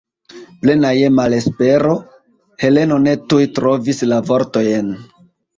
Plena je malespero, Heleno ne tuj trovis la vortojn.